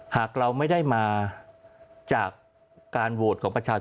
หากเราไม่ได้มาจากการโหวตของประชาชน